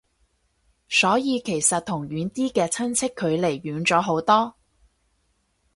所以其實同遠啲嘅親戚距離遠咗好多